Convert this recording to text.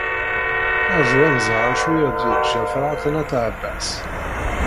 Rju ad nẓer acu i ɣ-d-yeǧǧa Ferḥat n At Ɛebbas.